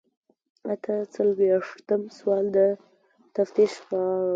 اته څلویښتم سوال د تفتیش په اړه دی.